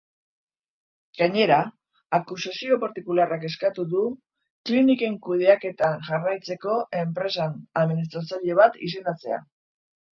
Gainera, akusazio partikularrak eskatu du kliniken kudeaketan jarraitzeko enpresan administratzaile bat izendatzea.